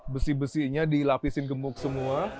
besi besinya dilapisin gemuk semua